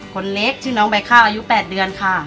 คนเล็กชื่อน้องใบข้าวอายุ๘เดือนค่ะ